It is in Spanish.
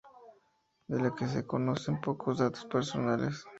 De la que se conocen pocos datos personales.